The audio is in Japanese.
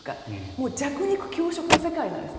本当に弱肉強食の世界なんです。